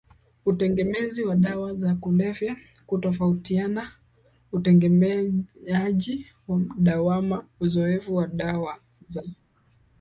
utegemezi wa dawa za kulevya hutofautianana utegemeaji wa dawana uzoevu wa dawa za